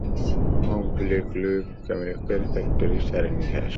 মকবুলের clue, chemical factory, sarin gas.